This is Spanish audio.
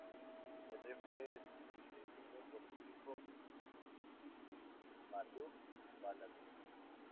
El rey fue sucedido por su hijo, Itti-Marduk-balatu.